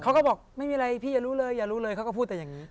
เขาก็บอกไม่มีอะไรพี่อย่ารู้เลยอย่ารู้เลยเขาก็พูดแต่อย่างนี้